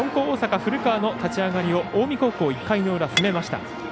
大阪、古川の立ち上がりを近江高校１回の裏、攻めました。